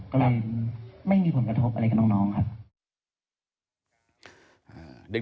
ก็เลยไม่มีผลกระทบอะไรกับน้องครับ